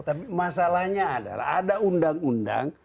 tapi masalahnya adalah ada undang undang